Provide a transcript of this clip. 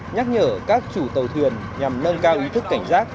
nhắc nhở các chủ tàu thuyền nhằm nâng cao ý thức cảnh giác